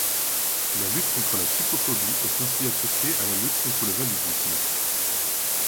La lutte contre la psychophobie est ainsi associée à la lutte contre le validisme.